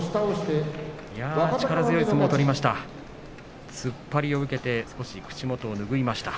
力強い相撲を取りました。